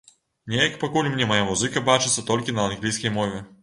Неяк пакуль мне мая музыка бачыцца толькі на англійскай мове.